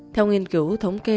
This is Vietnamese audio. theo nghiên cứu thống kê